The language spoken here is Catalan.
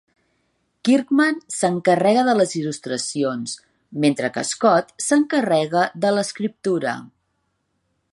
Kirkman s'encarrega de les il·lustracions, mentre que Scott s'encarrega de l'escriptura.